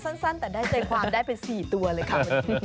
มาสั้นแต่ได้เจริญความได้เป็น๔ตัวเลยค่ะ